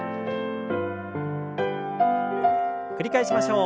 繰り返しましょう。